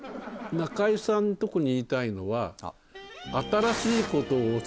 中居さんに特に言いたいのは。